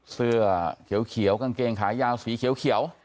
เสื้อเขียวกางเกงขายาวสีเขียว